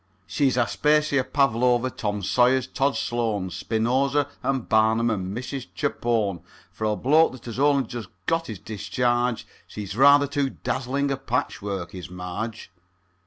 She's Aspasia, Pavlova, Tom Sayers, Tod Sloan, Spinoza, and Barnum, and Mrs. Chapone; For a bloke that has only just got his discharge, She's rather too dazzling a patchwork, is Marge.